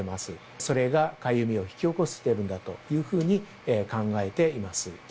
それがかゆみを引き起こしているんだというふうに考えています。